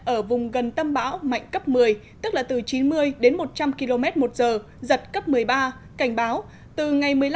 ở vùng gần tâm bão mạnh cấp một mươi tức là từ chín mươi đến một trăm linh km một giờ giật cấp một mươi ba cảnh báo từ ngày một mươi năm